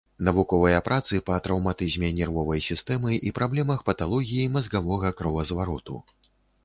Навуковыя працы па траўматызме нервовай сістэмы і праблемах паталогіі мазгавога кровазвароту.